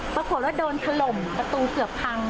ปรากฏว่าโดนถล่มประตูเกือบพัง